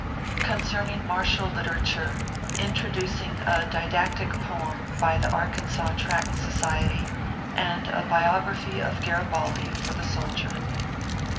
CONCERNING MARTIAL LITERATURE: INTRODUCING A DIDACTIC POEM BY THE "ARKANSAW TRACT SOCIETY," AND A BIOGRAPHY OF GARIBALDI FOR THE SOLDIER.